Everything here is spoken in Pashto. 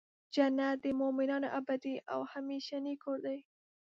جنت د مؤمنانو ابدې او همیشنی کور دی .